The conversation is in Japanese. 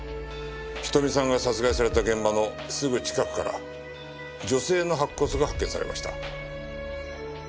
瞳さんが殺害された現場のすぐ近くから女性の白骨が発見されました。